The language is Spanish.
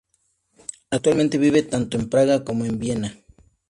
Actualmente vive tanto en Praga como en Viena.